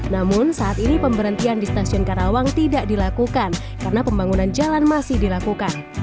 namun saat ini pemberhentian di stasiun karawang tidak dilakukan karena pembangunan jalan masih dilakukan